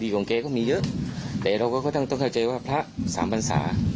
มีอันบิของมันเยอะแต่ต้องเข้าใจว่าพระทั้ง๓พรรษ